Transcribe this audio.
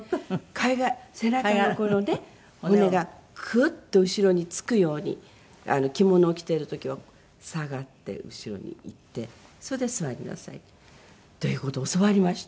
貝殻背中のこの骨がクッと後ろにつくように着物を着ている時は下がって後ろにいってそれで座りなさいという事を教わりました。